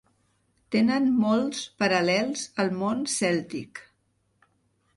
Tenen molts paral·lels al món cèltic.